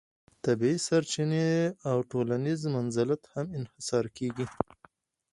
طبیعي سرچینې او ټولنیز منزلت هم انحصار کیږي.